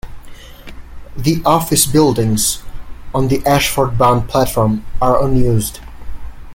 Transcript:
The office buildings on the Ashford-bound platform are unused.